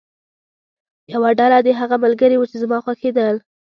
یوه ډله دې هغه ملګري وو چې زما خوښېدل.